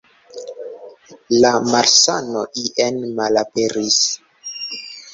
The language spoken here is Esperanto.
La malsano ien malaperis.